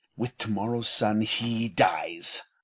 With to morrow's sun, he dies.